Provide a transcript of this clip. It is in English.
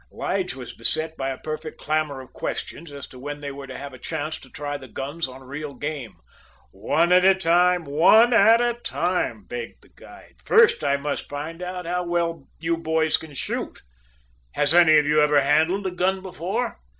Lige was beset by a perfect clamor of questions as to when they were to have a chance to try the guns on real game. "One at a time one at a time," begged the guide. "First I must find out how well you boys can shoot. Has any of you ever handled a gun before?"